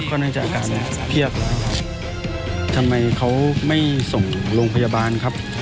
ค่อนข้างจากอาการเพียบทำไมเขาไม่ส่งโรงพยาบาลครับ